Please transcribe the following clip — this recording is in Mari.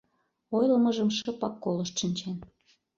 Ойлымыжым шыпак колышт шинчен.